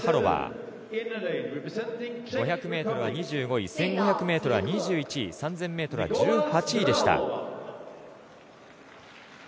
５００ｍは２５位１５００ｍは２１位３０００ｍは１８位でした。